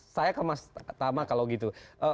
saya ke mas tama kalau gitu